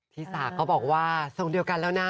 พี่สาก็บอกว่าทรงเดียวกันแล้วนะ